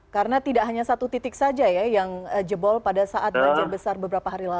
karena tidak hanya satu titik saja ya yang jebol pada saat banjir besar beberapa hari lalu